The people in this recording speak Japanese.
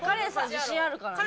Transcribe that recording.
自信あるからね。